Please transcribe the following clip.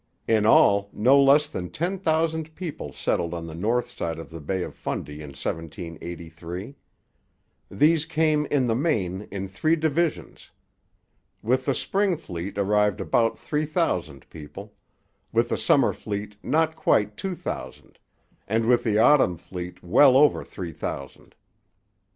In all, no less than ten thousand people settled on the north side of the Bay of Fundy in 1783. These came, in the main, in three divisions. With the spring fleet arrived about three thousand people; with the summer fleet not quite two thousand; and with the autumn fleet well over three thousand.